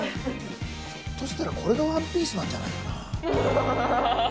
ひょっとしたら、これがワンピースなんじゃないかなぁ。